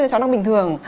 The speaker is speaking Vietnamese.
chó đang bình thường